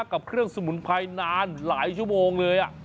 กับเครื่องสมุนไพรนานหลายชั่วโมงเลย